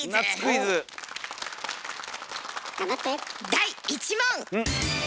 第１問！